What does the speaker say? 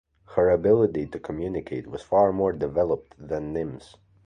Her ability to communicate was far more developed than Nim's.